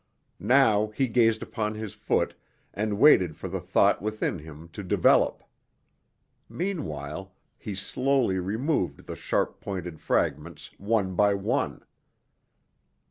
Now he gazed upon his foot, and waited for the thought within him to develop. Meanwhile, he slowly removed the sharp pointed fragments, one by one.